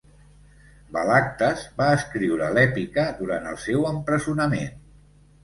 Balagtas va escriure l'èpica durant el seu empresonament.